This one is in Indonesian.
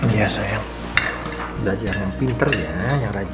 iya sayang belajar yang pintar ya yang rajin ya